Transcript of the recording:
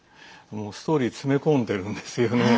ストーリー詰め込んでるんですよね。